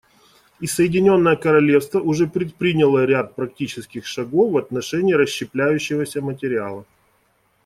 И Соединенное Королевство уже предприняло ряд практических шагов в отношении расщепляющегося материала.